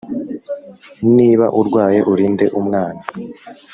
Niba urwaye urinde umwana